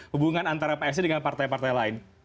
hubungan antara psi dengan partai partai lain